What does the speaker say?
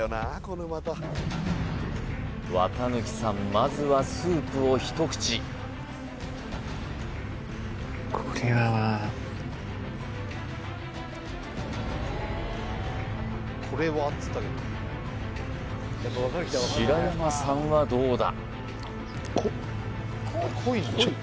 まずはスープを一口白山さんはどうだ？